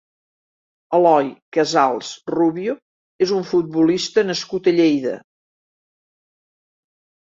Eloy Casals Rubio és un futbolista nascut a Lleida.